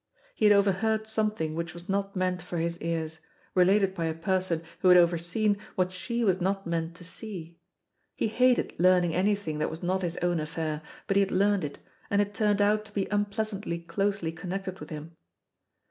He had overheard something which was not meant for his ears, related by a person who had overseen what she was not meant to see; he hated learning anything that was not his own affair, but he had learned it, and it turned out to be unpleasantly closely connected with him.